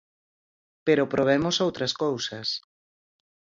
Pero probemos outras cousas.